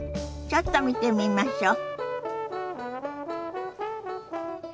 ちょっと見てみましょ。